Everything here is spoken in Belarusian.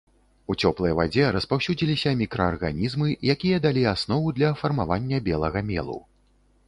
У цёплай вадзе распаўсюдзіліся мікраарганізмы, якія далі аснову для фармавання белага мелу.